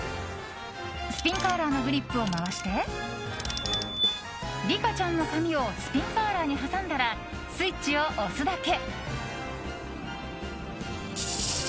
スピンカーラーのグリップを回してリカちゃんの髪をスピンカーラーに挟んだらスイッチを押すだけ。